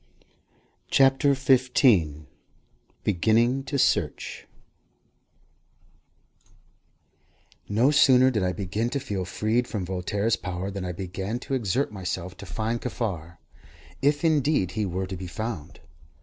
CHAPTER XV BEGINNING TO SEARCH No sooner did I begin to feel freed from Voltaire's power than I began to exert myself to find Kaffar, if indeed he were to be found.